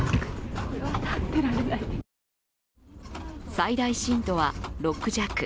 最大震度は６弱。